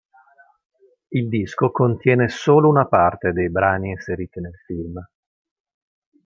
Il disco contiene solo una parte dei brani inseriti nel film.